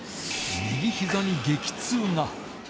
右ひざに激痛が。